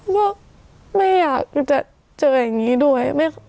ก็ไม่อยากจะเจออย่างนี้ด้วย